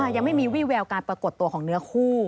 ยังไม่มีวี่แววการปรากฏตัวของเนื้อคู่